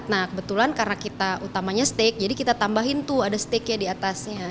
nah kebetulan karena kita utamanya steak jadi kita tambahin tuh ada steaknya di atasnya